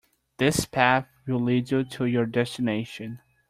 This path will lead you to your destination.